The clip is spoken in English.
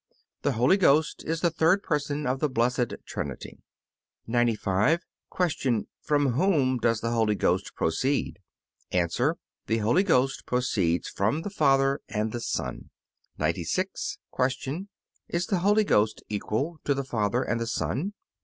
The Holy Ghost is the third Person of the Blessed Trinity. 95. Q. From whom does the Holy Ghost proceed? A. The Holy Ghost proceeds from the Father and the Son. 96. Q. Is the Holy Ghost equal to the Father and the Son?